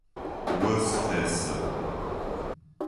Ос къесы.